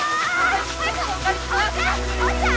おっちゃん！